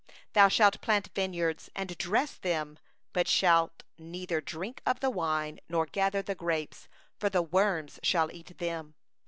39Thou shalt plant vineyards and dress them, but thou shalt neither drink of the wine, nor gather the grapes; for the worm shall eat them.